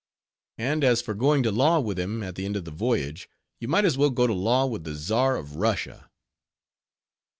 And as for going to law with him at the end of the voyage, you might as well go to law with the Czar of Russia.